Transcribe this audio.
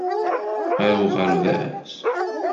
Ɣer uɣerbaz.